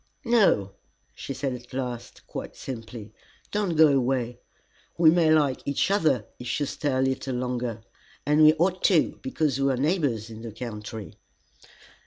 "No," she said at last, quite simply, "don't go away. We may like each other, if you stay a little longer and we ought to, because we are neighbors in the country."